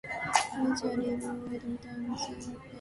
Eventually, Bigelow returned and replaced Storm.